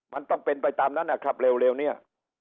มันต้องเป็นไปตามนั้นนะครับเร็วเนี่ย